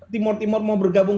timur timur mau bergabung